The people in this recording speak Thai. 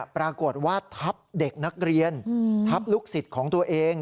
ปรากฏว่าทับเด็กนักเรียนทับลูกศิษย์ของตัวเอง